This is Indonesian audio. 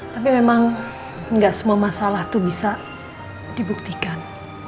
tapi memang gak semua masalah tuh bisa dibuktikan